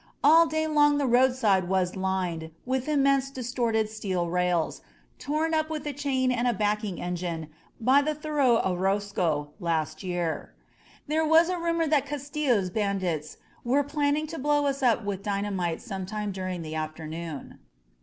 All day long the roadside was lined with immense distorted steel rails, torn up with a chain and a backing engine by the thorough Orozco last year. There was a rumor that Castillo's bandits were planning to blow us up with dynamite sometime during the afternoon.